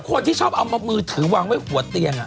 คนที่ชอบเอามือถือวางไว้หัวเตียง